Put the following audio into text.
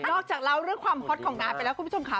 จากเล่าเรื่องความฮอตของงานไปแล้วคุณผู้ชมค่ะ